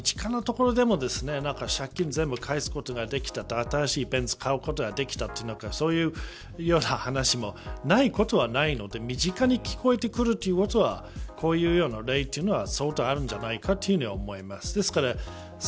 身近なところでも借金全部返すことができたと新しいベンツ買うことができたとそういうような話もないことはないので身近に聞こえてくるということはこういうような例というのは相当あるんじゃないかというふうには思います。